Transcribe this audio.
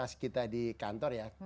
kalau rutinitas kita di kantor ya